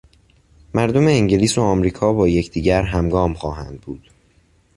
مردم انگلیس و امریکا با یکدیگر همگام خواهندبود...